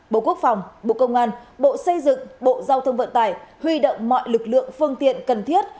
bộ quốc phòng bộ công an bộ xây dựng bộ giao thông vận tải huy động mọi lực lượng phương tiện cần thiết